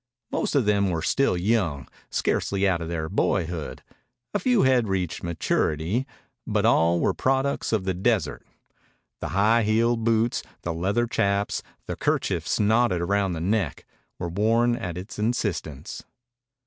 Most of them were still young, scarcely out of their boyhood; a few had reached maturity. But all were products of the desert. The high heeled boots, the leather chaps, the kerchiefs knotted round the neck, were worn at its insistence.